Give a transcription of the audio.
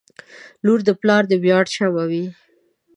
• لور د پلار د ویاړ شمعه وي.